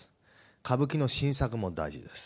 歌舞伎の新作も大事です。